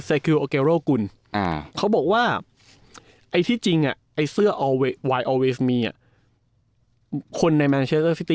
อ่าเขาบอกว่าไอ้ที่จริงอ่ะไอ้เสื้ออ่ะคนในไม่